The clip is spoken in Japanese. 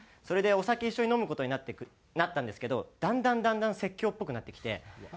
それでお酒一緒に飲む事になったんですけどだんだんだんだん説教っぽくなってきて。